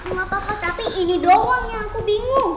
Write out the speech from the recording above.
gak apa apa tapi ini doang yang aku bingung